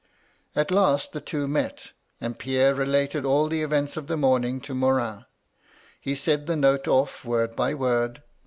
At last the two met; and Pierre related all the events of the morning to Morin. He said the note off word by word.